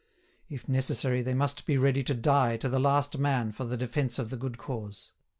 If necessary they must be ready to die to the last man for the defence of the good cause.